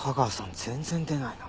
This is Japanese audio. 全然出ないな。